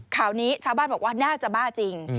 ข่าวนี้ชาวบ้านบอกว่าน่าจะบ้าจริง